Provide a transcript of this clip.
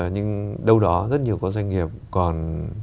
nhưng đâu đó rất nhiều doanh nghiệp còn